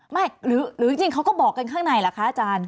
หรือจริงเขาก็บอกกันข้างในเหรอคะอาจารย์